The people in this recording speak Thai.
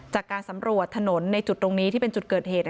จากการสำรวจถนนในจุดตรงนี้ที่เป็นจุดเกิดเหตุ